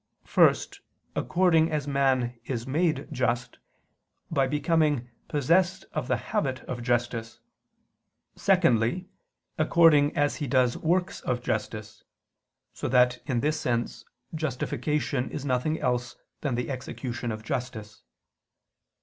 First, according as man is made just, by becoming possessed of the habit of justice: secondly, according as he does works of justice, so that in this sense justification is nothing else than the execution of justice.